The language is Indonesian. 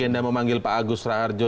anda memanggil pak agus raharjo